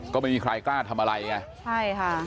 ก็ไม่มีใครกล้าทำอะไรไงใช่ค่ะ